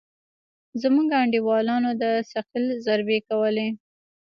زموږ انډيوالانو د ثقيل ضربې کولې.